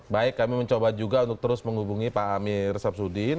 baik kami mencoba juga untuk terus menghubungi pak amir samsudin